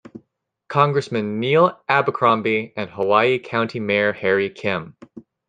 Congressman Neil Abercrombie, and Hawaii County Mayor Harry Kim.